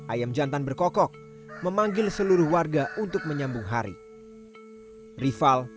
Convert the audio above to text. ayam jantan berkokok memanggil seluruh warga untuk menyambung hari